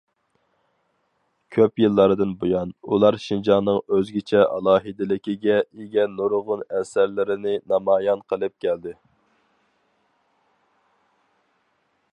كۆپ يىللاردىن بۇيان، ئۇلار شىنجاڭنىڭ ئۆزگىچە ئالاھىدىلىكىگە ئىگە نۇرغۇن ئەسەرلىرىنى نامايان قىلىپ كەلدى.